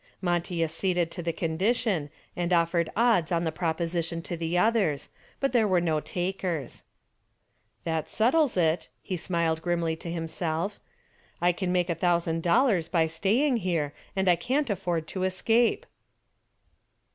Monty acceded to the condition and offered odds on the proposition to the others, but there were no takers. "That settles it," he smiled grimly to himself. "I can make a thousand dollars by staying here and I can't afford to escape."